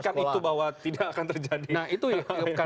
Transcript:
bagaimana memastikan itu bahwa tidak akan terjadi yang dikuatirkan